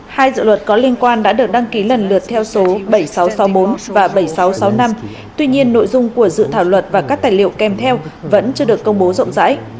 hai dự luật có liên quan đã được đăng ký lần lượt theo số bảy nghìn sáu trăm sáu mươi bốn và bảy nghìn sáu trăm sáu mươi năm tuy nhiên nội dung của dự thảo luật và các tài liệu kèm theo vẫn chưa được công bố rộng rãi